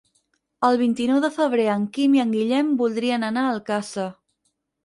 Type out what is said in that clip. El vint-i-nou de febrer en Quim i en Guillem voldrien anar a Alcàsser.